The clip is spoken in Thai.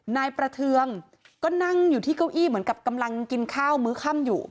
นายประเทืองก็นั่งอยู่ที่เก้าอี้เหมือนกับกำลังกินข้าวมื้อค่ำอยู่